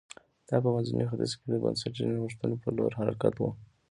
دا په منځني ختیځ کې د بنسټي نوښتونو په لور حرکت و